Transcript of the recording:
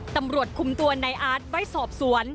ตำรวจคุมตัวนายอาร์ตไว้สอบสวน